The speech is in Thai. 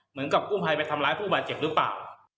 เหมือนกับกู้ภัยไปทำร้ายผู้บาดเจ็บหรือเปล่า